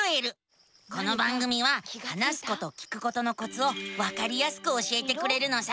この番組は話すこと聞くことのコツをわかりやすく教えてくれるのさ。